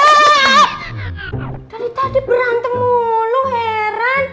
dari tadi berantem mulu heran